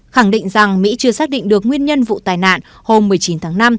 khẳng định rằng mỹ chưa xác định được nguyên nhân vụ tai nạn hôm một mươi chín tháng năm